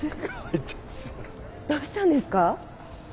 どうしたんですか？